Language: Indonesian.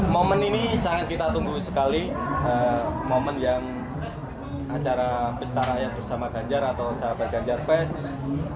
momen ini sangat kita tunggu sekali momen yang acara pesta rakyat bersama ganjar atau sahabat ganjar fest